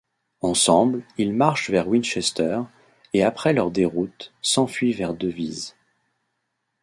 Ensemble, ils marchent vers Winchester, et après leur déroute, s'enfuient vers Devizes.